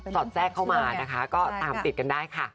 อดแทรกเข้ามานะคะก็ตามติดกันได้ค่ะ